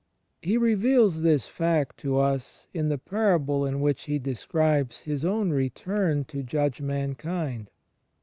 He reveals this fact to us in the parable in which He describes His own return to judge mankind.